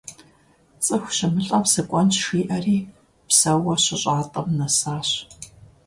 Цӏыху щымылӏэм сыкӏуэнщ жиӏэри, псэууэ щыщӏатӏэм нэсащ.